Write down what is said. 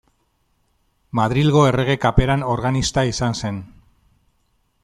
Madrilgo Errege Kaperan organista izan zen.